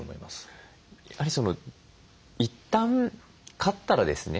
やはり一旦飼ったらですね